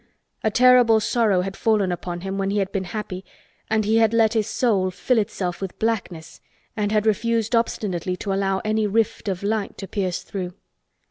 A terrible sorrow had fallen upon him when he had been happy and he had let his soul fill itself with blackness and had refused obstinately to allow any rift of light to pierce through.